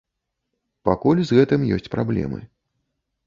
Пакуль з гэтым ёсць праблемы.